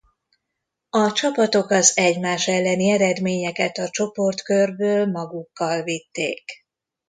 A csapatok az egymás elleni eredményeket a csoportkörből magukkal vitték.